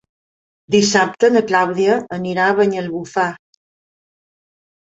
Dissabte na Clàudia anirà a Banyalbufar.